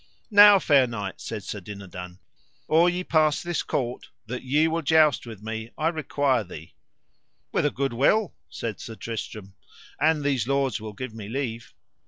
Now fair knight, said Sir Dinadan, or ye pass this court that ye will joust with me I require thee. With a good will, said Sir Tristram, an these lords will give me leave.